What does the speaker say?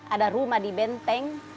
ada rumah di benteng